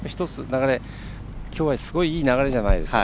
きょうはすごいいい流れじゃないですか。